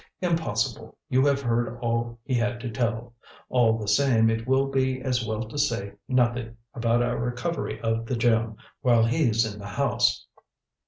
"Impossible. You have heard all he had to tell. All the same, it will be as well to say nothing about our recovery of the gem while he is in the house.